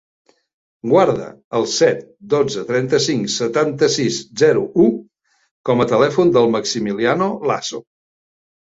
Guarda el set, dotze, trenta-cinc, setanta-sis, zero, u com a telèfon del Maximiliano Laso.